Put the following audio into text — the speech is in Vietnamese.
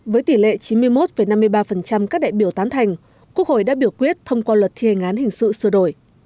với tỷ lệ chín mươi một năm mươi ba các đại biểu tán thành quốc hội đã biểu quyết thông qua luật thi hành án hình sự sửa đổi